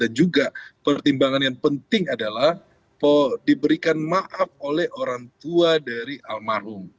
dan juga pertimbangan yang penting adalah diberikan maaf oleh orang tua dari almarhum